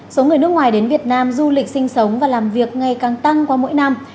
số người nước ngoài đến việt nam du lịch sinh sống và làm việc ngày càng tăng qua mỗi năm